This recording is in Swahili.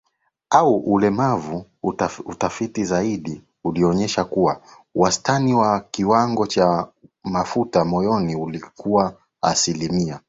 au ulemavu Utafiti zaidi ulionyesha kuwa wastani wa kiwango cha mafuta moyoni ulikuwa asilimia